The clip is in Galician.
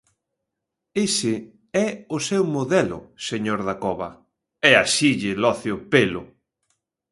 Ese é o seu modelo, señor Dacova, ¡e así lle loce o pelo!